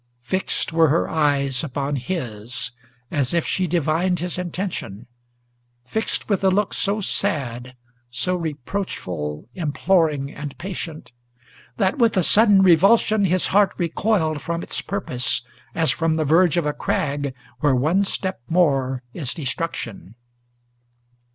Fixed were her eyes upon his, as if she divined his intention, Fixed with a look so sad, so reproachful, imploring, and patient, That with a sudden revulsion his heart recoiled from its purpose, As from the verge of a crag, where one step more is destruction.